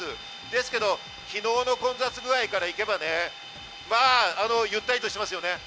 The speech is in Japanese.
ですけど昨日の混雑具合からいけばゆったりしてますよね。